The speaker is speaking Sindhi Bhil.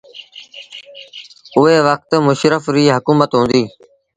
اُئي وکت مشرڦ ريٚ هڪومت هُݩديٚ۔